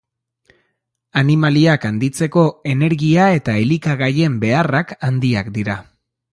Animaliak handitzeko energia eta elikagaien beharrak handiak dira.